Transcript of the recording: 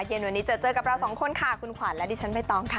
เย็นวันนี้เจอเจอกับเราสองคนค่ะคุณขวัญและดิฉันใบตองค่ะ